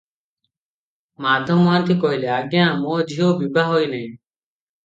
ମାଧ ମହାନ୍ତି କହିଲେ, "ଆଜ୍ଞା, ମୋ ଝିଅ ବିଭା ହୋଇନାହିଁ ।"